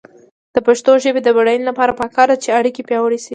د پښتو ژبې د بډاینې لپاره پکار ده چې اړیکې پیاوړې شي.